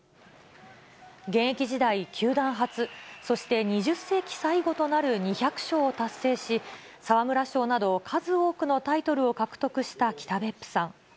現役時代、球団初、そして２０世紀最後となる２００勝を達成し、沢村賞など数多くのタイトルを獲得した北別府さん。